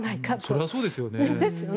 それはそうですよね。